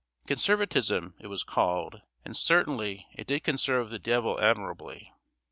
Conservatism, it was called; and certainly it did conserve the devil admirably.